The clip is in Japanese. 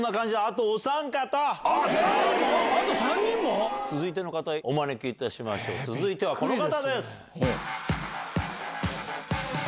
あと３人も⁉続いての方お招きいたしましょう続いてはこの方です。